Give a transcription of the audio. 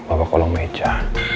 apa kolong meja